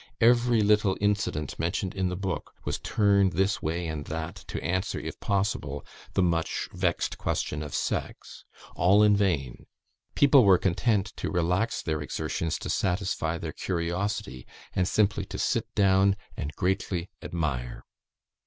Every little incident mentioned in the book was turned this way and that to answer, if possible, the much vexed question of sex. All in vain. People were content to relax their exertions to satisfy their curiosity, and simply to sit down and greatly admire.